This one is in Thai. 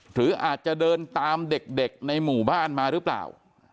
หรืออาจจะเดินตามเด็กในหมู่บ้านมาหรือเปล่า